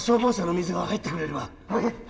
はい。